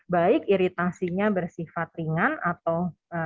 baik iritasinya bersifat ringan atau